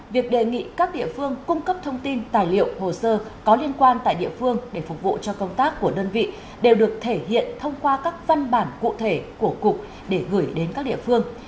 việc đề nghị các địa phương cung cấp thông tin tài liệu hồ sơ có liên quan tại địa phương để phục vụ cho công tác của đơn vị đều được thể hiện thông qua các văn bản cụ thể của cục để gửi đến các địa phương